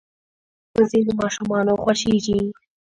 وزې د ماشومانو خوښېږي